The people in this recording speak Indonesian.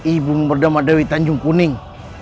ibu berdama dewi tanjung kuning